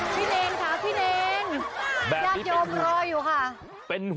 พี่เนนค่ะพี่เนน